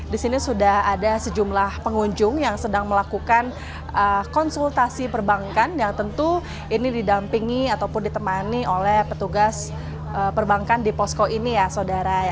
di sini sudah ada sejumlah pengunjung yang sedang melakukan konsultasi perbankan yang tentu ini didampingi ataupun ditemani oleh petugas perbankan di posko ini ya saudara